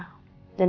aku mau ngejadang